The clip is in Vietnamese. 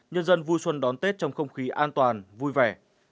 nhân dân vui xuân đón tết trong không khí an toàn vui vẻ